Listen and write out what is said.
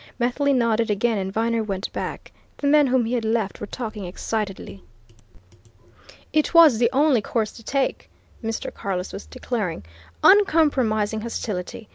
Methley nodded again, and Viner went back. The men whom he had left were talking excitedly. "It was the only course to take!" Mr. Carless was declaring. "Uncompromising hostility!